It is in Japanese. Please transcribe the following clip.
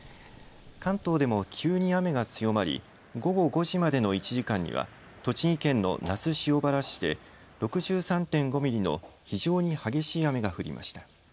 関東でも急に雨が強まり午後５時までの１時間には栃木県の那須塩原市で６３．５ミリの非常に激しい雨が降りました。